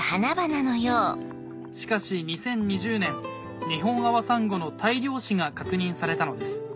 しかし２０２０年ニホンアワサンゴの大量死が確認されたのです